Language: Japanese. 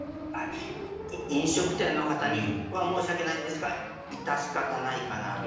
飲食店の方には申し訳ないんですが致し方ないかなと。